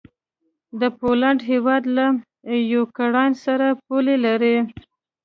د پولينډ هيواد له یوکراین سره پوله لري.